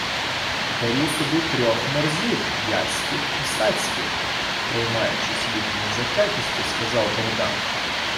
— Беру собі трьох морзів яських і сацьких! — проймаючись їхньою затятістю, сказав Богдан.